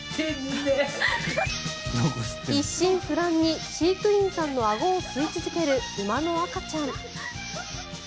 一心不乱に飼育員さんのあごを吸い続ける馬の赤ちゃん。